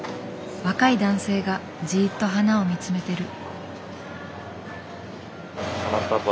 若い男性がじっと花を見つめてる。